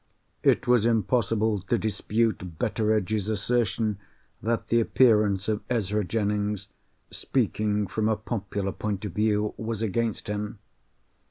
It was impossible to dispute Betteredge's assertion that the appearance of Ezra Jennings, speaking from a popular point of view, was against him.